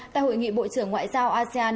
tại hội nghị bộ trưởng ngoại giao asean